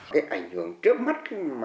cái ảnh hưởng trước mắt